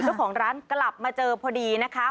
เจ้าของร้านกลับมาเจอพอดีนะคะ